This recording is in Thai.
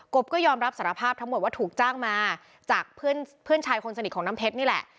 บก็ยอมรับสารภาพทั้งหมดว่าถูกจ้างมาจากเพื่อนชายคนสนิทของน้ำเพชรนี่แหละ